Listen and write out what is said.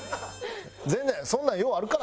全然そんなんようあるから！